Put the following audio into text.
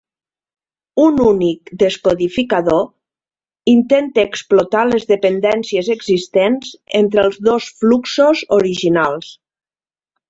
Un únic descodificador intenta explotar les dependències existents entre els dos fluxos originals.